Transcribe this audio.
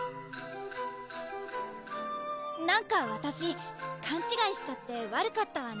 なんかわたし勘違いしちゃって悪かったわね